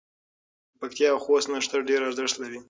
د پکتیا او خوست نښتر ډېر ارزښت لري.